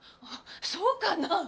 あっそうかな？